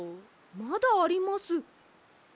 まだあります。